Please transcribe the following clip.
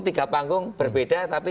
tiga panggung berbeda tapi